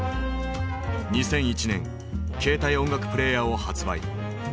２００１年携帯音楽プレーヤーを発売。